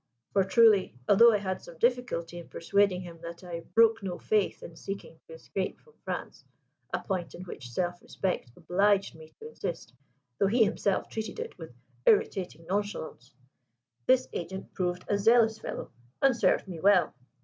For truly, although I had some difficulty in persuading him that I broke no faith in seeking to escape from France (a point in which self respect obliged me to insist, though he himself treated it with irritating nonchalance), this agent proved a zealous fellow, and served me well.